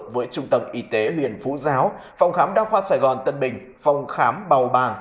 với trung tâm y tế huyện phú giáo phòng khám đa khoa sài gòn tân bình phòng khám bào bàng